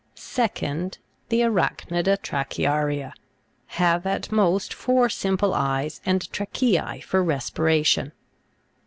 2d. The ARACH'NIDA TRACHEA'RIA have at most four simple eyes, and trach'ess for respiration.